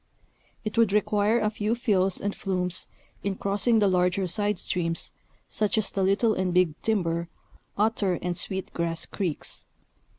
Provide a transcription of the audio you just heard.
It would require a few fills and flumes in crossing the larger side streams, such as the Little and Big Timber, Otter and Sweet Grass Creeks.